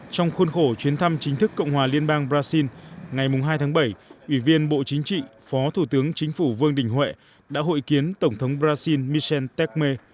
trong khuôn khổ chuyến thăm chính thức cộng hòa liên bang brazil ngày hai tháng bảy ủy viên bộ chính trị phó thủ tướng chính phủ vương đình huệ đã hội kiến tổng thống brazil michel tecme